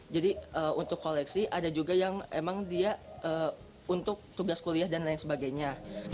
jadi untuk koleksi ada juga yang memang dia untuk tugas kuliah dan lain sebagainya